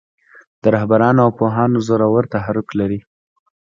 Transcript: د رهبرانو او پوهانو زورور تحرک لري.